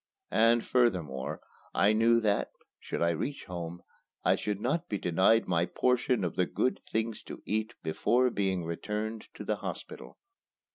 And, furthermore, I knew that, should I reach home, I should not be denied my portion of the good things to eat before being returned to the hospital.